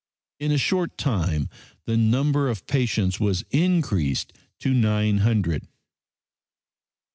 In a short time the number of patients was increased to nine hundred.